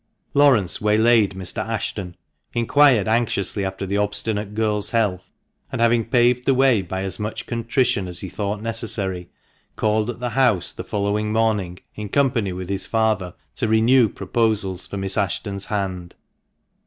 Laurence waylaid Mr. Ashton, inquired anxiously after the obstinate girl's health, and, having paved the way by as much contrition as he thought necessary, called at the house the following morning, in company with his father, to renew proposals for Miss Ashton's hand.